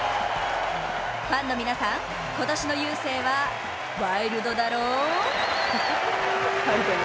ファンの皆さん、今年の雄星はワイルドだろ？